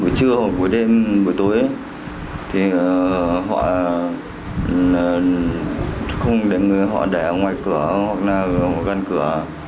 buổi trưa buổi đêm buổi tối họ đẻ ngoài cửa hoặc gần cửa